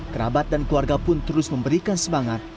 kerabat dan keluarga pun terus memberikan semangat